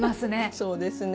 そうですね。